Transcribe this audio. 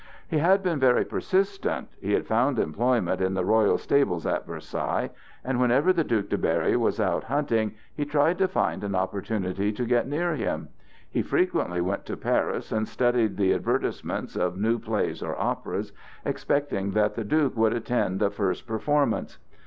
He had been very persistent; he had found employment in the royal stables at Versailles, and whenever the Duc de Berry was out hunting, he tried to find an opportunity to get near him; he frequently went to Paris and studied the advertisements of new plays or operas, expecting that the Duke would attend a first performance.